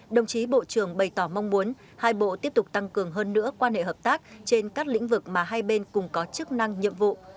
đồng chí bộ trưởng bày tỏ mong muốn hai bộ tiếp tục tăng cường hơn nữa quan hệ hợp tác trên các lĩnh vực mà hai bên cùng có chức năng nhiệm vụ